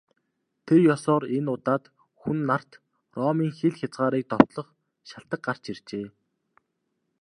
Тэр ёсоор энэ удаад Хүн нарт Ромын хил хязгаарыг довтлох шалтаг гарч иржээ.